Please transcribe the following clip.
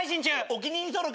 お気に入り登録。